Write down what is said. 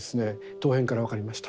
陶片から分かりました。